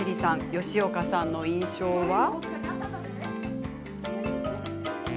吉岡さんの印象は？